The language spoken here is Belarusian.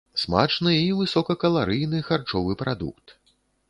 Смачны і высокакаларыйны харчовы прадукт.